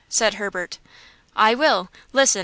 said Herbert. "I will. Listen!